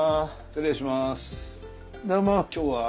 失礼します。